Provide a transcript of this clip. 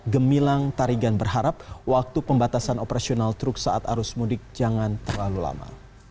gemilang tarigan berharap waktu pembatasan operasional truk saat arus mudik jangan terlalu lama